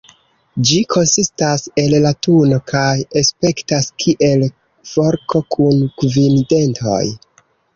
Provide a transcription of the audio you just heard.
Ĝi konsistas el latuno kaj aspektas kiel forko kun kvin dentoj.